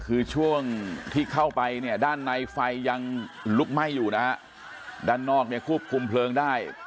คือช่วงที่เข้าไปเนี่ยด้านในไฟยังลุกไหม้อยู่นะฮะด้านนอกเนี่ยควบคุมเพลิงได้